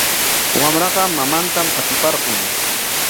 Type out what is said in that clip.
Wamraqa mamantam qatiparqun.